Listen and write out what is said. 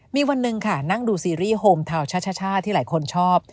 มีวันหนึ่งค่ะนั่งดูซีรีส์โฮมทาวน์ช่าที่หลายคนชอบ